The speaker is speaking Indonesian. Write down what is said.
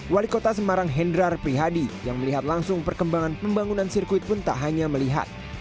wali kota semarang hendrar prihadi yang melihat langsung perkembangan pembangunan sirkuit pun tak hanya melihat